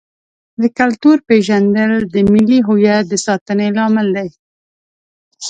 د کلتور پیژندل د ملي هویت د ساتنې لامل دی.